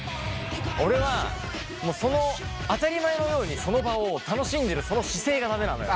俺はその当たり前のようにその場を楽しんでるその姿勢が駄目なのよ。